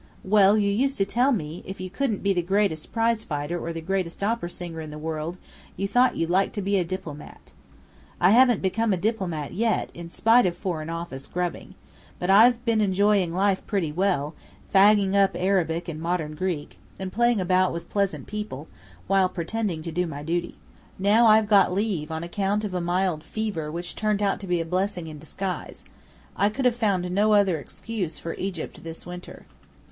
"Well, you used to tell me, if you couldn't be the greatest prize fighter or the greatest opera singer in the world, you thought you'd like to be a diplomat. "I haven't become a diplomat yet, in spite of Foreign Office grubbing. But I've been enjoying life pretty well, fagging up Arabic and modern Greek, and playing about with pleasant people, while pretending to do my duty. Now I've got leave on account of a mild fever which turned out a blessing in disguise. I could have found no other excuse for Egypt this winter."